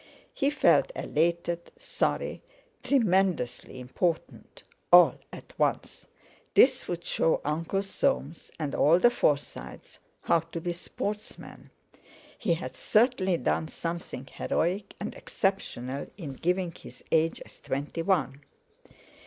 He felt elated, sorry, tremendously important all at once. This would show Uncle Soames, and all the Forsytes, how to be sportsmen. He had certainly done something heroic and exceptional in giving his age as twenty one.